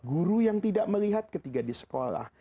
guru yang tidak melihat ketika di sekolah